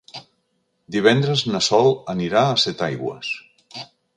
Divendres na Sol anirà a Setaigües.